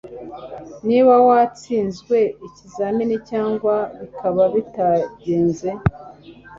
niba watsinzwe ikizamini cyangwa bikaba bitagenze